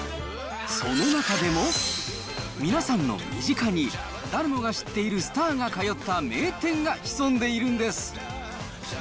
その中でも、皆さんの身近に、誰もが知っているスターが通った名店が潜んでいるんです。